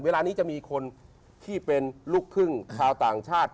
เวลานี้จะมีคนที่เป็นลูกครึ่งชาวต่างชาติ